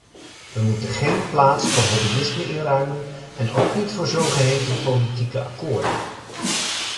We moeten geen plaats voor hobbyisme inruimen en ook niet voor zogeheten politieke akkoorden.